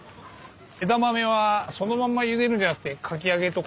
枝豆はそのまんまゆでるんじゃなくてかき揚げとかにして。